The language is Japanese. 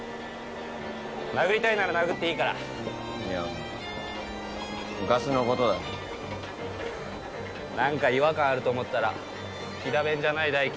殴りたいなら殴っていいからいや昔のことだよ何か違和感あると思ったら飛騨弁じゃない大輝